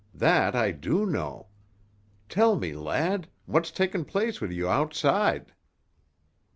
That I do know. Tell me, lad, what's taken place wi' you outside?"